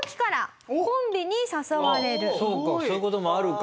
そうかそういう事もあるか。